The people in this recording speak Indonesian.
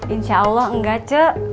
insya allah enggak c